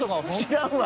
知らんわ。